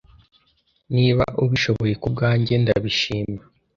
Niba ubishoboye kubwanjye, ndabishima.